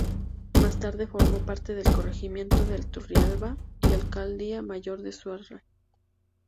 Más tarde formó parte del corregimiento de Turrialba y alcaldía mayor de Suerre.